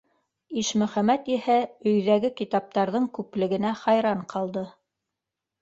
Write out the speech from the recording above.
Ишмөхәмәт иһә өйҙәге китаптарҙың күплегенә хайран ҡалды.